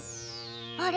あれ？